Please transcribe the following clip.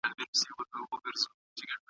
لکه خروښ د شګوفو د پسرلیو